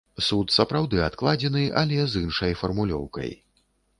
Суд сапраўды адкладзены, але з іншай фармулёўкай.